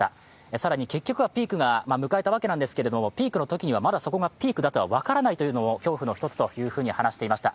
更に、結局はピークを迎えたわけなんですけれども、ピークのときにはまだそこがピークだと分からないというのも恐怖の一つだと話していました。